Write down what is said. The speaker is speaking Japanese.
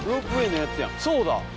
そうだ。